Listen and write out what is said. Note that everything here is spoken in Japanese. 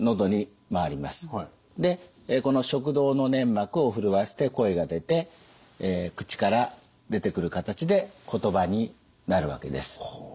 でこの食道の粘膜を震わせて声が出て口から出てくる形で言葉になるわけです。